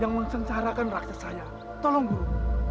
yang menghancurkan raksasa saya tolong guru